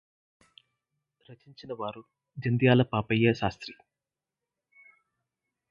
రచించినవారు Jandhyala Papayya Sastry